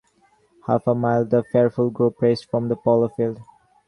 Half a mile the fearful group raced from the polo field.